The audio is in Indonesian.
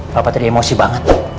papa tadi emosi banget